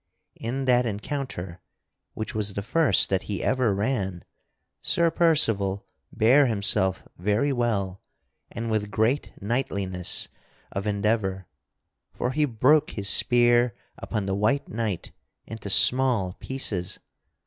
In that encounter (which was the first that he ever ran) Sir Percival bare himself very well and with great knightliness of endeavor; for he broke his spear upon the white knight into small pieces.